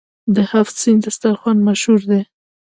د هفت سین دسترخان مشهور دی.